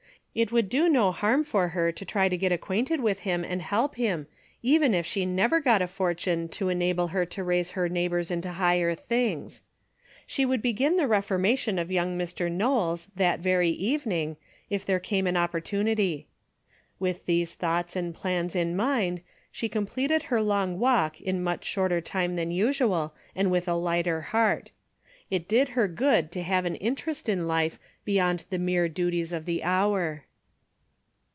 It would do no harm for her to try to get ac quainted with him and help him, even if she never got a fortune to enable her to raise her neighbors into better things. She would be gin the reformation of young Mr. Knowles that very evening, if there came an opportu nity. With these thoughts and plans in mind she completed her long walk in much shorter time than usual and with a lighter heart. It did her good to have an interest in life beyond the mere duties of the hour.